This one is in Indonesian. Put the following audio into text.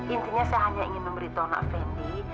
intinya saya hanya ingin memberitahu pak fendi